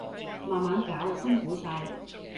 慢慢搞，辛苦晒